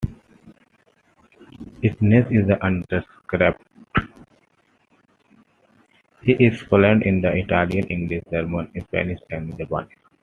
He is fluent in Italian, English, German, Spanish, and Japanese.